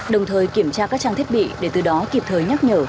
đồng thời kiểm tra các trang thiết bị để từ đó kịp thời nhắc nhở